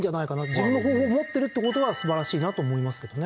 自分の方法を持ってるって事が素晴らしいなと思いますけどね。